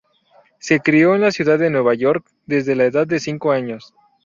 Se crio en la ciudad de Nueva York desde la edad de cinco años.